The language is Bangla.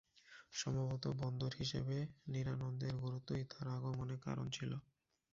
সম্ভবত বন্দর হিসেবে নিরানন্দের গুরুত্বই তাঁর আগমনের কারণ ছিল।